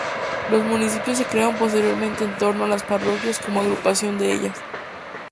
Los municipios se crearon posteriormente en torno a las parroquias cómo agrupación de ellas.